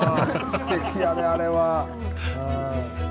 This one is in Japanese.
すてきやであれは。